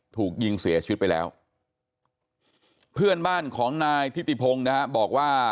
ถูกยิงเสียชีวิตไปแล้วเพื่อนบ้านของนายทิติพงศ์นะฮะบอกว่า